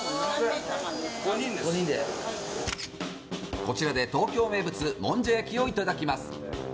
こちらで東京名物もんじゃ焼きをいただきます。